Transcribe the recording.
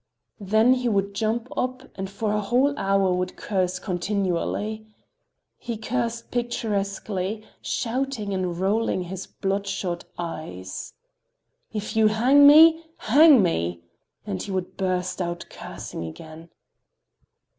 Then he would jump up and for a whole hour would curse continually. He cursed picturesquely, shouting and rolling his blood shot eyes. "If you hang me—hang me!" and he would burst out cursing again.